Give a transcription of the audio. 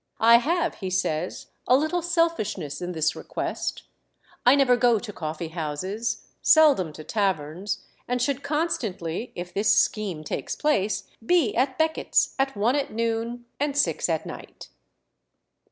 "I have," he says, "a little selfishness in this request. I never go to coffee houses, seldom to taverns, and should constantly (if this scheme takes place), be at Beckett's at one at noon and six at night."